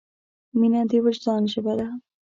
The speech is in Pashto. مینه د وجدان ژبه ده.